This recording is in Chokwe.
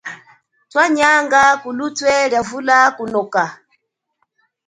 Twanyanga kulutwe lia vula kunoka.